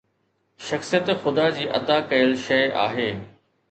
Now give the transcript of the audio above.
شخصيت خدا جي عطا ڪيل شيءِ آهي.